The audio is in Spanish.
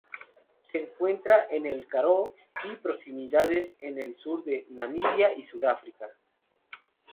Se encuentra en el Karoo y proximidades, en el sur de Namibia y Sudáfrica.